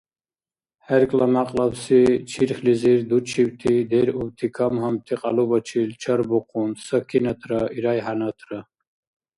ХӀеркӀла мякьлабси чирхьлизир дучибти деръубти кам-гьамти кьялубачил чарбухъун Сакинатра ИрайхӀянатра.